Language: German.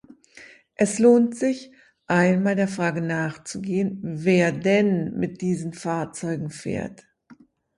Es lohnt sich, einmal der Frage nachzugehen, wer denn mit diesen Fahrzeugen fährt.